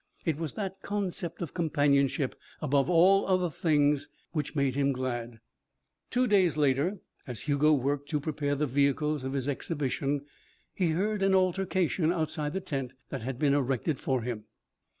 It was that concept of companionship, above all other things, which made him glad. Two days later, as Hugo worked to prepare the vehicles of his exhibition, he heard an altercation outside the tent that had been erected for him.